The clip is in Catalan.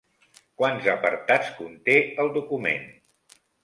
Quants apartats conté el document?